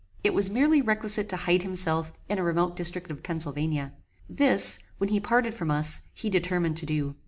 It was merely requisite to hide himself in a remote district of Pennsylvania. This, when he parted from us, he determined to do.